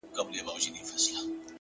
هغه نن بيا د چا د ياد گاونډى؛